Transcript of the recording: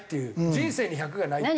人生に１００がないって。